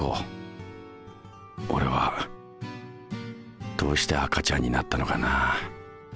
俺はどうして赤ちゃんになったのかな。